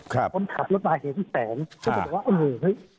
คนขับรถมาเห็นแสงเขาจะถามว่าเฮ้ย